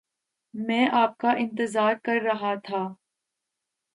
میں آپ کا انتظار کر رہا تھا۔